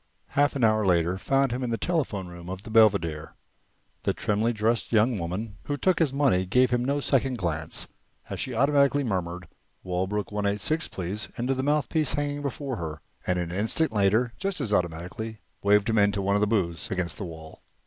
Half an hour later found him in the telephone room of the Belvedere. The trimly dressed young woman who took his money gave him no second glance as she automatically murmured "Walbrook 1 8 6, please," into the mouthpiece hanging before her, and an instant later, just as automatically, waved him into one of the booths against the wall.